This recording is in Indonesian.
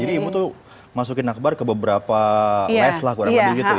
jadi bu tuh masukin akbar ke beberapa les lah kurang lebih gitu ya